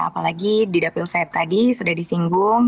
apalagi di dapil saya tadi sudah disinggung